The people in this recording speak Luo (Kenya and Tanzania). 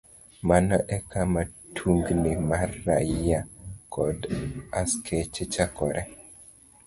Mano e kama tungni mag raia kod askache chakoree.